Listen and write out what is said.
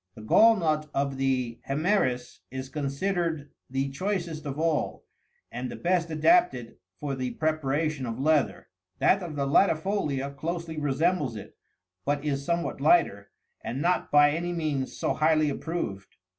The gall nut of the hemeris62 is considered the choicest of all, and the best adapted for the preparation of leather : that of the lati folia closely resembles it, but is somewhat lighter, and not by any means so highly approved.